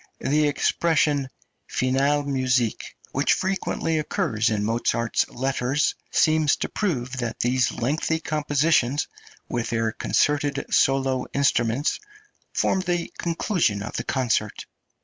The expression "finalmusik," which frequently occurs in Mozart's letters, seems to prove that these lengthy compositions, with their concerted solo instruments, formed the conclusion of the concert.